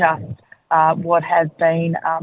apa yang telah diberikan